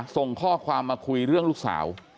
ส่งข้อความมาคุยเรื่องลูกสาว